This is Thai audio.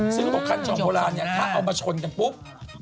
ซึ่งคันช่องโบราณถ้าเอามาชนกันปุ๊บ